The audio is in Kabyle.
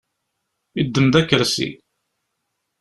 Yeddem-d akersi.